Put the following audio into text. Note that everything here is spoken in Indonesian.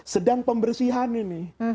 sedang pembersihan ini